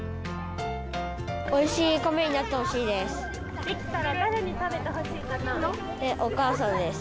おいしい米になってほしいです。